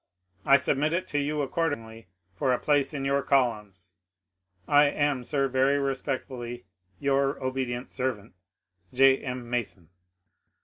I submit it to you accordingly for a place in your columns. I am, sir, very respectfully your ob't servant, J. M. Mason.